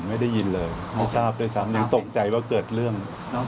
ไม่ได้ยินเลยไม่ทราบด้วยซ้ำยังตกใจว่าเกิดเรื่อง